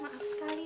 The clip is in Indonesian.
maaf sekali nan